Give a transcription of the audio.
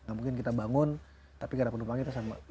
gak mungkin kita bangun tapi karena penumpangnya kita sama